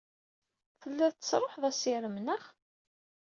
Tellid tesṛuḥed assirem, naɣ?